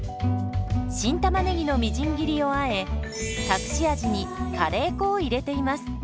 新たまねぎのみじん切りをあえ隠し味にカレー粉を入れています。